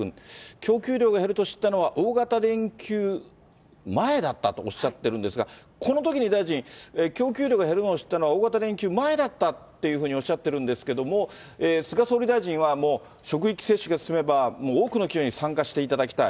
供給量が減ると知ったのは、大型連休前だったとおっしゃってるんですが、このときに大臣、供給量が減るのを知ったのは大型連休前だったとおっしゃってるんですけれども、菅総理大臣はもう、職域接種が進めば多くの企業に参加していただきたい。